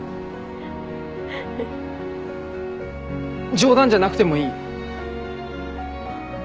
冗談じゃなくてもいい。